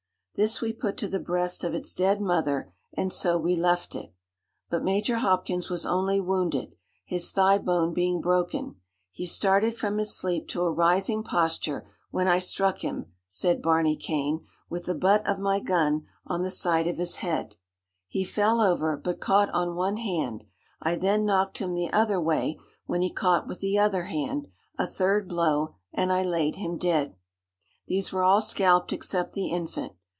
This we put to the breast of its dead mother, and so we left it. But Major Hopkins was only wounded, his thigh bone being broken; he started from his sleep to a rising posture, when I struck him," said Barney Cane, "with the butt of my gun, on the side of his head; he fell over, but caught on one hand; I then knocked him the other way, when he caught with the other hand; a third blow, and I laid him dead. These were all scalped except the infant.